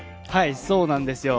そうなんです。